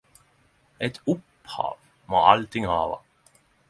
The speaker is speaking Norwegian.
Eit Upphav må allting hava.